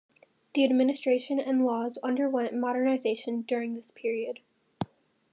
The administration and laws underwent "modernization" during this period.